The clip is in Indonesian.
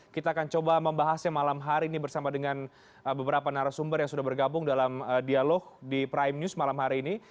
kita akan coba membahasnya malam hari ini bersama dengan beberapa narasumber yang sudah bergabung dalam dialog di prime news malam hari ini